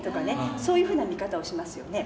そういうふうな見方をしますよね。